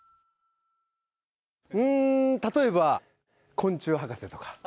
うーん、例えば昆虫博士とか。